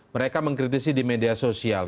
mereka mengkritisi di media sosial